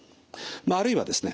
あるいはですね